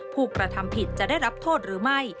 ผู้กระทำผิดจะได้รับโทษหรือไม่